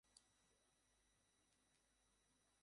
দুটো বিয়ারই শেষ করেছিস?